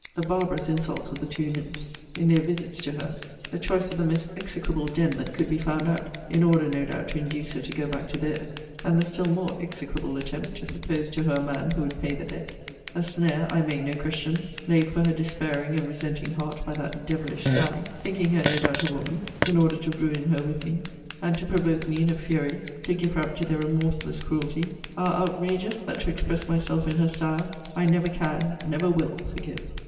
The barbarous insults of the two nymphs, in their visits to her; the choice of the most execrable den that could be found out, in order, no doubt, to induce her to go back to theirs; and the still more execrable attempt, to propose to her a man who would pay the debt; a snare, I make no question, laid for her despairing and resenting heart by that devilish Sally, (thinking her, no doubt, a woman,) in order to ruin her with me; and to provoke me, in a fury, to give her up to their remorseless cruelty; are outrages, that, to express myself in her style, I never can, never will forgive.